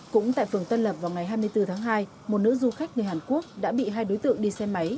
cũng tại phường tân lập vào ngày hai mươi bốn tháng hai một nữ du khách người hàn quốc đã bị hai đối tượng đi xe máy